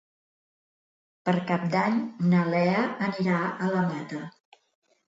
Per Cap d'Any na Lea anirà a la Mata.